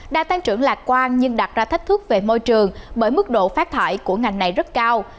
đã tăng trưởng lạc quan nhưng đặt ra thách thức về môi trường bởi mức độ phát thải của ngành này rất cao